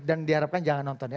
dan diharapkan jangan nonton ya